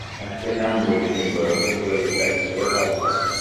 ছোট থাকতেই নাম বলিনি, বড় হয়ে বলব তা কীভাবে ভাবলে?